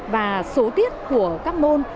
và số tiết của các môn